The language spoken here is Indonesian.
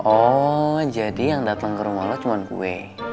oh jadi yang dateng ke rumah lo cuma gue